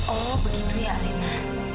oh begitu ya alina